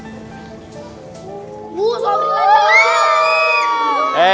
bu sobri lagi aja